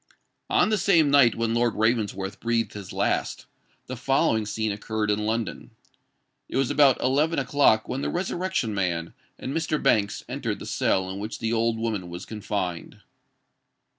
On the same night when Lord Ravensworth breathed his last, the following scene occurred in London. It was about eleven o'clock when the Resurrection Man and Mr. Banks entered the cell in which the old woman was confined.